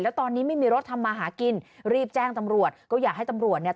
แล้วตอนนี้ไม่มีรถทำมาหากินรีบแจ้งตำรวจก็อยากให้ตำรวจเนี่ย